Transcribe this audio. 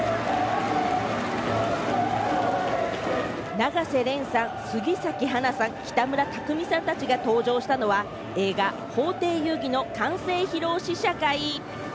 永瀬廉さん、杉咲花さん、北村匠海さんたちが登場したのは、映画『法廷遊戯』の完成披露試写会。